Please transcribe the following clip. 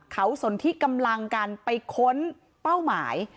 เขาสนที่กำลังกันไปค้นเป้าหมาย